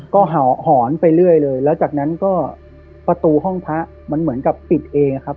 ก็เห่าหอนไปเรื่อยเลยแล้วจากนั้นก็ประตูห้องพระมันเหมือนกับปิดเองครับ